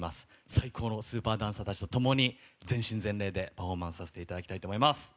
最高のスーパーダンサーと共に全身全霊でパフォーマンスさせていただきたいと思います。